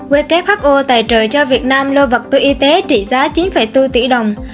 who tài trợ cho việt nam lô vật tư y tế trị giá chín bốn tỷ đồng